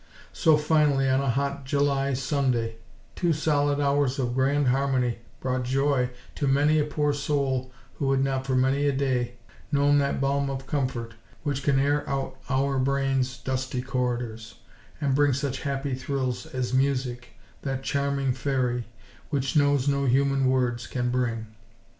So, finally, on a hot July Sunday, two solid hours of grand harmony brought joy to many a poor Soul who had not for many a day, known that balm of comfort which can "air out our brains' dusty corridors," and bring such happy thrills, as Music, that charming Fairy, which knows no human words, can bring.